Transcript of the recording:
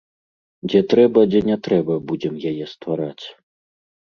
Дзе трэба, дзе не трэба, будзем яе ствараць.